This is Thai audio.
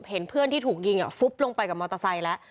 เห็นเพื่อนที่ถูกยิงฟุบลงไปกับมอเตอร์ไซค์แล้ว